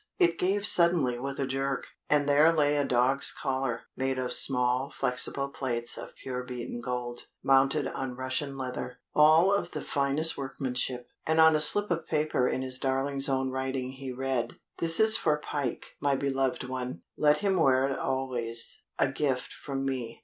It gave suddenly with a jerk, and there lay a dog's collar, made of small flexible plates of pure beaten gold, mounted on Russian leather, all of the finest workmanship. And on a slip of paper in his darling's own writing he read: "This is for Pike, my beloved one; let him wear it always a gift from me."